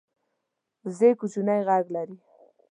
وزې کوچنی غږ لري